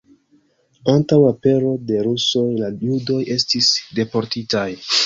Antaŭ apero de rusoj la judoj estis deportitaj.